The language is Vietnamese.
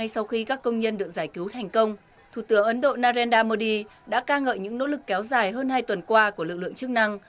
thủ tướng ấn độ narendra modi đã ca ngợi những nỗ lực kéo dài hơn hai tuần qua của lực lượng chức năng